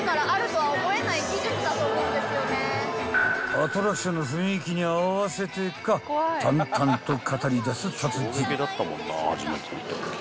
［アトラクションの雰囲気に合わせてか淡々と語りだす達人］